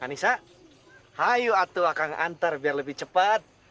anissa ayo atu akan nganter biar lebih cepat